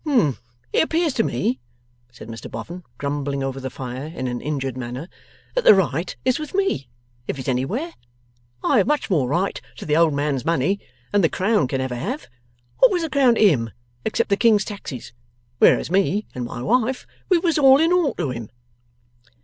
'It appears to me,' said Mr Boffin, grumbling over the fire in an injured manner, 'that the right is with me, if it's anywhere. I have much more right to the old man's money than the Crown can ever have. What was the Crown to him except the King's Taxes? Whereas, me and my wife, we was all in all to him.